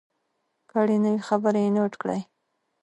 که اړینه وي خبرې یې نوټ کړئ.